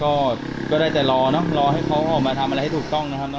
ก็ได้แต่รอเนอะรอให้เขาออกมาทำอะไรให้ถูกต้องนะครับ